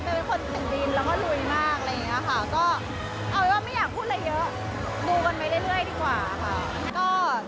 ก็เอาว่าไม่อยากพูดอะไรเยอะดูกันไปเรื่อย